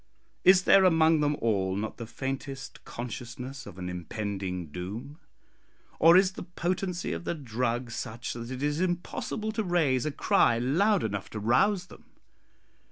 Is there among them all not the faintest consciousness of an impending doom? or is the potency of the drug such that it is impossible to raise a cry loud enough to rouse them?